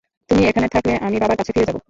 তুমি এখানে থাকলে, আমি বাবার কাছে ফিরে যাব।